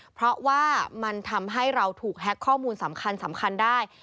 เพราะว่ามันทำให้เราถูกแฮ็กข้อมูลสำคัญได้